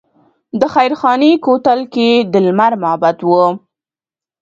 د خیرخانې کوتل کې د لمر معبد و